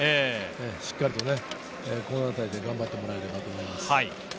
しっかりとこの辺りで頑張ってもらいたいです。